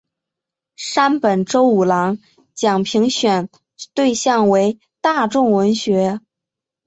山本周五郎奖评选对象为大众文学。